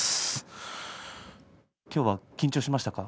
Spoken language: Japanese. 今日は緊張しましたか？